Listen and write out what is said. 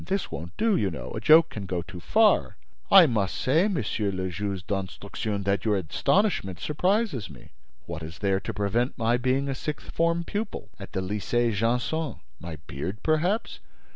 This won't do, you know; a joke can go too far!" "I must say, Monsieur le Juge d'Instruction, that your astonishment surprises me. What is there to prevent my being a sixth form pupil at the Lycée Janson? My beard, perhaps?